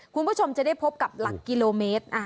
คุณผู้ชมจะได้พบกับหลักกิโลเมตร